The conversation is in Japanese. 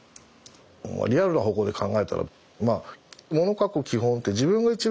リアルな方向で考えたらもの書く基本って自分が一番